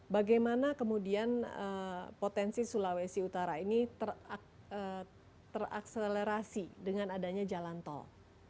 bagaimana kemudian potensi sulawesi utara ini terakselerasi dengan adanya jalan tol